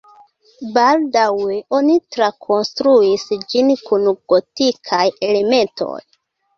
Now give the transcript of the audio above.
Baldaŭe oni trakonstruis ĝin kun gotikaj elementoj.